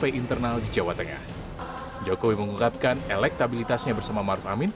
empat minggu yang lalu di jawa tengah ini turun dua persen elektabilitasnya turun dua persen